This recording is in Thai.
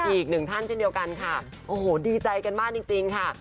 อีกหนึ่งท่านเช่นเดียวกันค่ะโอ้โหดีใจกันมากจริงค่ะ